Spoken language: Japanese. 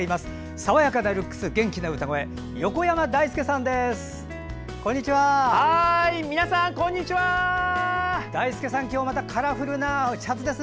爽やかなルックス元気な歌声横山だいすけさんです。